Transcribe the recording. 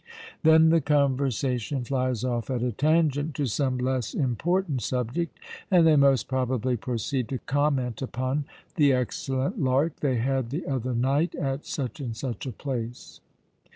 Then the conversation flies off at a tangent to some less important subject; and they most probably proceed to comment upon the "excellent lark" they had the other night at such and such a place.